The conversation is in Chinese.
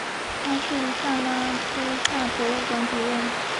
他是萨拉戈萨博物馆主任。